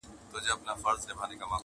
ډېر عمر ښه دی عجیبي وینو-